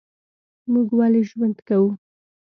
موږ ولي ژوند کوو؟